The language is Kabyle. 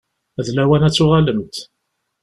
D lawan ad tuɣalemt.